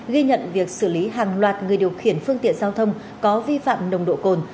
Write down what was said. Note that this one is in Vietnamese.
ghi nhận việc xử lý hàng loạt người điều khiển phương tiện giao thông có vi phạm nồng độ cồn